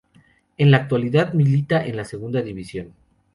En la actualidad milita en la Segunda División.